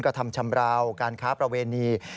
กระทำชำราวการค้าประเวณี